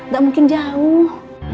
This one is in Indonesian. gak mungkin jauh